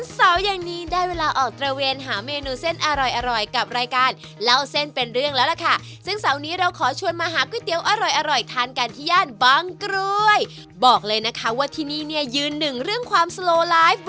สามารถรับชมได้ทุกวัย